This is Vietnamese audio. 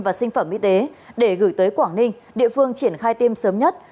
và sinh phẩm y tế để gửi tới quảng ninh địa phương triển khai tiêm sớm nhất